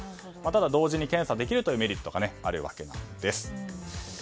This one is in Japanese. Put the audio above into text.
ただ、同時に検査できるというメリットがあります。